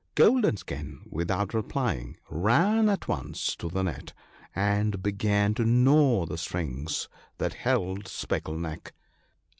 Golden skin, without replying, ran at once to the net, and began to gnaw the strings that held Speckle neck.